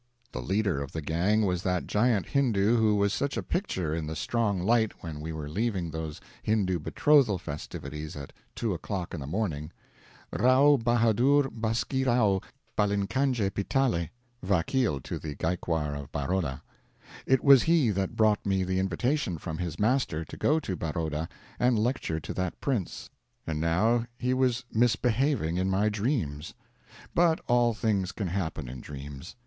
The leader of the gang was that giant Hindoo who was such a picture in the strong light when we were leaving those Hindoo betrothal festivities at two o'clock in the morning Rao Bahadur Baskirao Balinkanje Pitale, Vakeel to the Gaikwar of Baroda. It was he that brought me the invitation from his master to go to Baroda and lecture to that prince and now he was misbehaving in my dreams. But all things can happen in dreams.